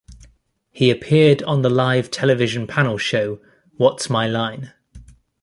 He appeared on the live television panel show What's My Line?